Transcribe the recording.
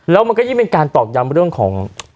แล้วมันก็ยิ่งเป็นการตอกย้ำเรื่องของ